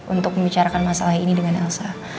untuk membicarakan masalah ini dengan elsa